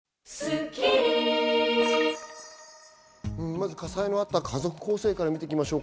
まず火災のあった家族構成から見ていきましょう。